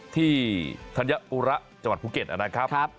ธัญอุระจังหวัดภูเก็ตนะครับ